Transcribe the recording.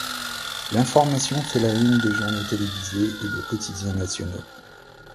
L'information fait la une des journaux télévisés et de quotidiens nationaux.